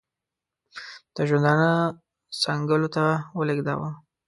د ژوندانه څنګلو ته ولېږداوه.